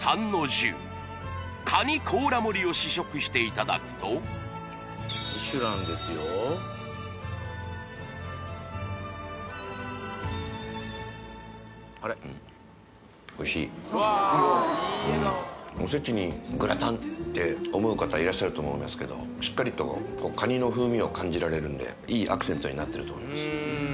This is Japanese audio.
重カニ甲羅盛りを試食していただくとうん「おせちにグラタン？」って思う方いらっしゃると思いますけどしっかりとカニの風味を感じられるんでいいアクセントになってると思います